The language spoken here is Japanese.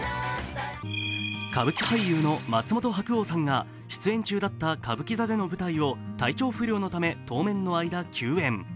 歌舞伎俳優の松本白鸚さんが出演中だった歌舞伎座での舞台を体調不良のため、当面の間休演。